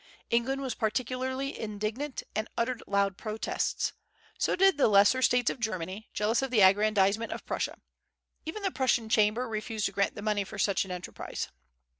England was particularly indignant, and uttered loud protests. So did the lesser States of Germany, jealous of the aggrandizement of Prussia. Even the Prussian Chamber refused to grant the money for such an enterprise.